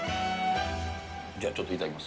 じゃあちょっといただきます。